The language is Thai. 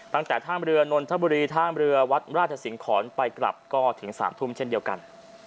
ตั้งแต่ท่ามเรือนนทบุรีท่ามเรือวัดราชสิงหอนไปกลับก็ถึง๓ทุ่มเช่นเดียวกัน